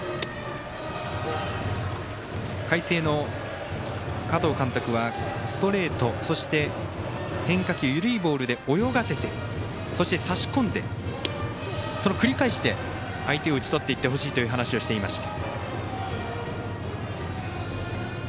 海星の加藤監督はストレート、そして変化球緩いボールで泳がせて、そして差し込んでその繰り返しで相手を打ち取っていってほしいと話していました。